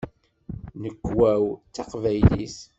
Nnekwa-w d taqbaylit.